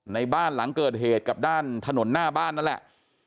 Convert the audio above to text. ในบ้านหลังเกิดเหตุกับด้านถนนหน้าบ้านนั่นแหละ